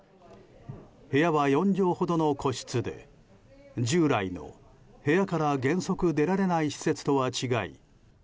部屋は４畳ほどの個室で従来の部屋から原則出られない施設とは違い